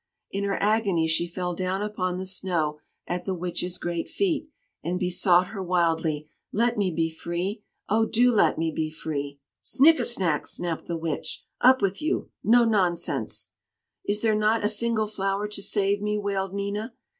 In her agony she fell down upon the snow at the Witch's great feet, and besought her wildly: "Let me be free! Oh, do let me be free!" "Snikkesnak!" snapped the Witch. "Up with you! No nonsense!" "Is there not a single flower to save me?" wailed Nina.